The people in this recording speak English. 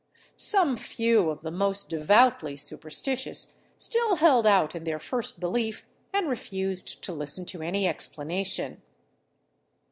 Some few of the most devoutly superstitious still held out in their first belief, and refused to listen to any explanation.